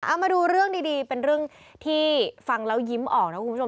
เอามาดูเรื่องดีเป็นเรื่องที่ฟังแล้วยิ้มออกนะคุณผู้ชม